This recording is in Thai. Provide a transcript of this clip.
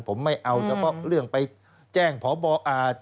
ผมไม่เอาเฉพาะเรื่องไปแจ้งพบอ่า